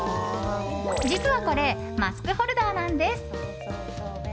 実は、これマスクホルダーなんです。